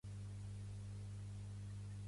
El nom és Rio: erra, i, o.